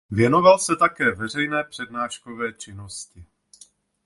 Věnoval se také veřejné přednáškové činnosti.